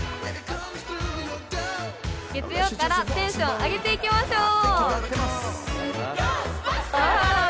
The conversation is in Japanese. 月曜からテンション上げていきましょう！